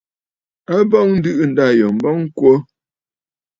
A bɔŋ ǹdɨ̀ʼɨ ndâ yò m̀bɔŋ kwo.